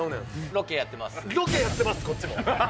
ロケやってます、こっちも。